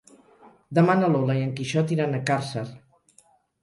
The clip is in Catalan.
Demà na Lola i en Quixot iran a Càrcer.